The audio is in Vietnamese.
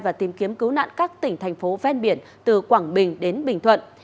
và tìm kiếm cứu nạn các tỉnh thành phố ven biển từ quảng bình đến bình thuận